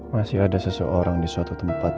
masih ada seseorang disuatu tempat